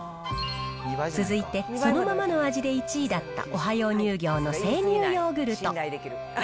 続いて、そのままの味で１位だったオハヨー乳業の生乳ヨーグルト。